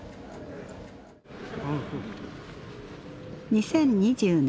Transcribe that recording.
２０２０年。